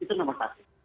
itu nomor satu